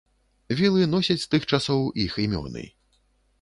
Вілы носяць з тых часоў іх імёны.